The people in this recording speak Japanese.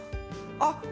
あっ！